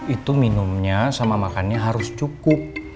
itu minumnya sama makannya harus cukup